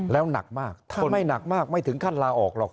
แล้วหนักมากทนไม่หนักมากไม่ถึงขั้นลาออกหรอก